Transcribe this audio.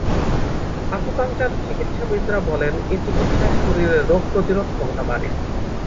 Acupuncture চিকিৎসাবিদরা বলেন এ চিকিৎসায় শরীরে রোগ প্রতিরোধ ক্ষমতা বাড়ে।